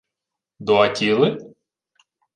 — До Аттіли?